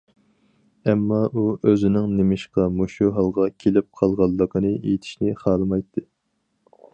ئەمما، ئۇ ئۆزىنىڭ نېمىشقا مۇشۇ ھالغا كېلىپ قالغانلىقىنى ئېيتىشنى خالىمايتتى.